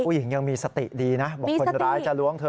ผู้หญิงยังมีสติดีนะบอกว่าคนร้ายจะล้วงเธอ